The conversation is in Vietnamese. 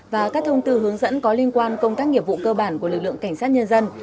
và các thông tư hướng dẫn có liên quan công tác nghiệp vụ cơ bản của lực lượng cảnh sát nhân dân